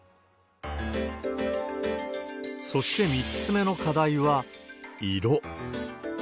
そして、３つ目の課題は色。